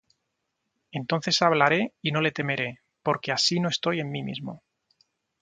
Entonces hablaré, y no le temeré: Porque así no estoy en mí mismo.